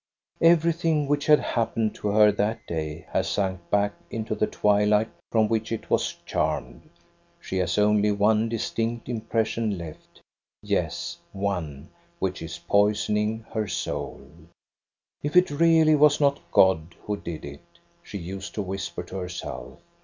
Everything which had happened to her that day has sunk back into the twilight from which it was 2l8 THE STORY OF GOSTA BE RUNG, charmed ; she has only one distinct impression left, — yes, one, which is poisoning her soul. "If it really was not God who did it," she used to whisper to herself.